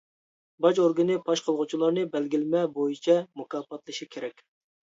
باج ئورگىنى پاش قىلغۇچىلارنى بەلگىلىمە بويىچە مۇكاپاتلىشى كېرەك.